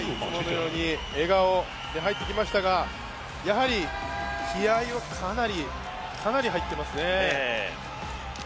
笑顔で入ってきましたがやはり気合いかなり入ってますね。